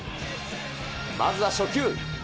まずは初球。